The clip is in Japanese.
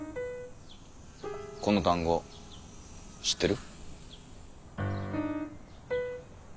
この単語知ってる？